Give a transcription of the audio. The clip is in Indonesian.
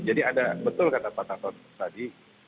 jadi ada betul kata pak tarto tadi